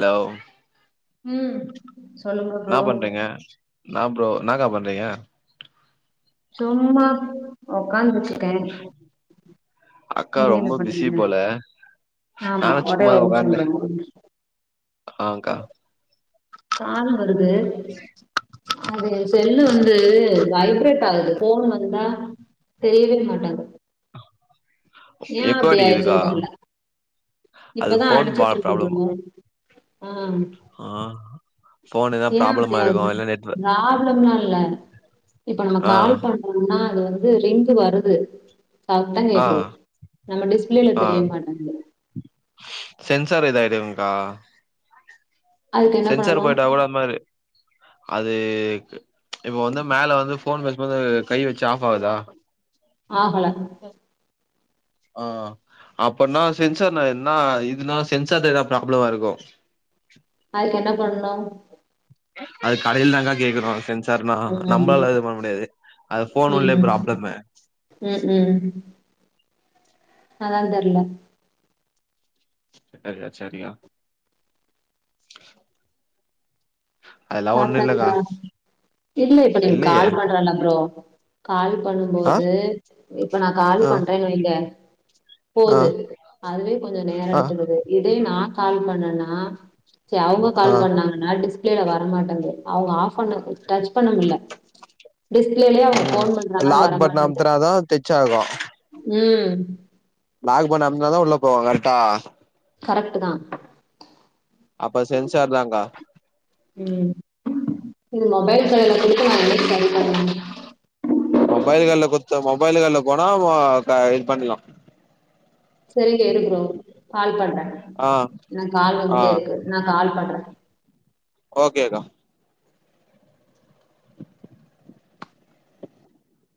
லௌ ம் சொல்லுங்க னா ப்ரோ பண்றிங்க நா ப்ரோ என்னாக்கா பண்றீங்க சும்மா உக்காந்துட்ருக்கே அக்கா நீங்க ரொம்ப என்ன பிஸி பண்றீங்க போல ஆமா நானு ஒரே சும்மா ஒரு நிம்ஷம் உக்காந்தே ப்ரோ ம் ஆங்க்கா கால் வருது அது செல்லு வந்து வைப்ரேட் ஆகுது ஃபோனு வந்தா தெரியவே மாட்டாங்க ஏ எக்கோ அப்டி அடிக்குதுக்கா ஆயிர்ச்சின் தெர்ல அது இப்பதா ஃபோன் பா அடைச்சிட் இருந்தது மோம் ஆ ஹா ஏ அப்டியாகுது லாப்ளம்லா இல்ல இப்ப நம்ம ஆ கால் பண் ஹா அது வந்து ரிங்கு வருது சாப்ட்டா ஆ கேக்கு நம்ம டிஸ்ப்ளேல ஆ தெரிய மாட்டங்கு சென்சார் இதாய்தேவ்வுன்கா அதுக்கு என்ன சென்சார் பண்ணனு போய்ட்டா கூட அந் மாரி அது இக்கு இப்ப வந்து மேல வந்து ஃபோன் பேஸ்போது கை வச்சு ஆஃப் ஆவுதா ஆஹல அஆ அப்பனா சென்சார்ன என்னா இதுனா சென்சார்தேதா ப்ராப்ளமா இருக்கு அதுக் என்ன பண்ணனு அது கடையில் தாங்க்கா கேக்குறோ சென்ஸ் தர்னா ம் நம்மளால இது பண்ண முடியாது அது ஃபோன் உள்ளே ப்ராப்ளம்மு உம் உம் அதாது தெர்ல இட்டாரியா சரியா அதெல்லா ஒண்ணு இல்லக்கா சாப்டாச்சா இல்லே இப்ப நீங் இல்லையே கால் பண்றல ப்ரோ கால் பண்ணும் ஆ போது இப்ப நா கால் ஆ பண்றே வைங்க ஆ போது அதுவே கொஞ்ச நேர ஆ எடுத்துக்குது இதேய் நா கால் பண்ணனா சே அவங்க ஆ கால் பண்ணாங்னா டிஸ்பிளேல வர மாட்டன்து அவ்ங்க ஆஃப் பண்ண டச் பண்ண முல்ல டிஸ்ப்ளேலியே அவங்க ம் ஃபோன் பண்றாங்கு அது லாக் பட்டன் வரமாட்டுது அமுத்துனாதா டச் ஆகு உம் லாக் பண்ண அம்னாதா உள்ள போவாங்க அர்ட்டா கரக்ட்டு தா அப்ப சென்சார் தாங்கா உம் இது மொபைல் கடைல குடுத்தா மா நா நெக்ஸ்ட்டு டைம் பண்றது மொபைல்கள்ல கொத்து மொபைல்கள்ல போனா வா கா இது பண்லா சரிங்க இருக்குறோம் கால் பண்றே ஆ நா கால் ஆ வந்துட்டே இருக்கு நா கால் பண்ற ஓகேக்கா